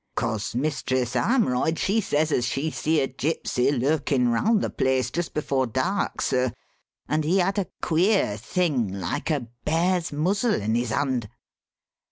"'Cause Mistress Armroyd she says as she see a gypsy lurkin' round the place just before dark, sir; and he had a queer thing like a bear's muzzle in his hand."